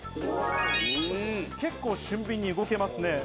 結構俊敏に動けますね。